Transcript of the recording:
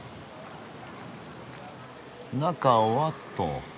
中はっと？